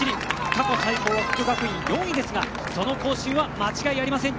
過去最高、國學院は４位ですがその更新は間違いありません